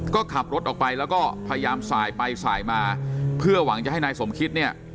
ก็ขับรถออกไปแล้วก็พยายามสายไปสายมาเพื่อหวังจะให้นายสมคิดเนี่ย